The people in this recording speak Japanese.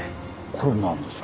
これ何ですか？